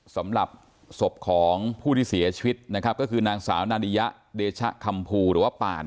สำหรับศพของผู้ที่เสียชีวิตนะครับก็คือนางสาวนานิยะเดชะคำภูหรือว่าปาน